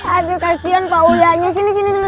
aduh kasihan pauyanya